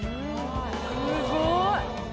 すごい。